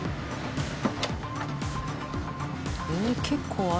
えっ結構あるね。